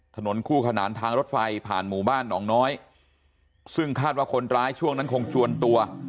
ถนนคู่ขนานทางรถไฟผ่านหมู่บ้านหนองน้อยซึ่งคาดว่าคนร้ายช่วงนั้นคงจวนตัว